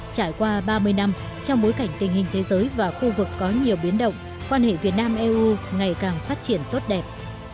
trải qua ba mươi năm trong bối cảnh tình hình thế giới và khu vực có nhiều biến động quan hệ việt nam eu ngày càng phát triển tốt đẹp